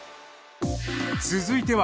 続いては。